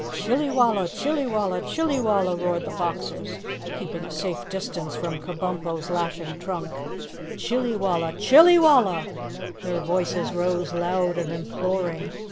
"Chillywalla! Chillywalla! Chillywalla!" roared the Boxers, keeping a safe distance from Kabumpo's lashing trunk. "Chillywalla! CHILLYWALLA!" Their voices rose loud and imploring.